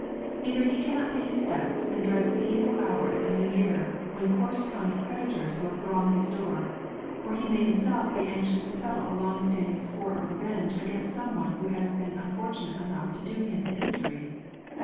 Either he cannot pay his debts and dreads the evil hour at the New Year, when coarse tongued creditors will throng his door, or he may himself be anxious to settle a long standing score of revenge against some one who has been unfortunate enough to do him an injury.